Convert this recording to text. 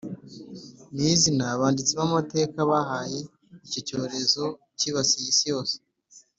ni izina abanditsi b’amateka bahaye icyo cyorezo cyibasiye isi yose